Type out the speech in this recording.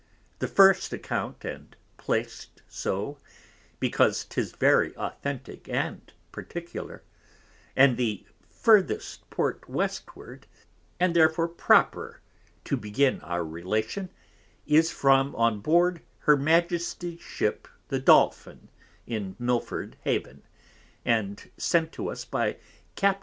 The first Account, and plac'd so, because 'tis very Authentick and Particular, and the furthest Port Westward, and therefore proper to begin our Relation, is from on Board her Majesty's Ship the Dolphin in Milford Haven, and sent to us by Capt.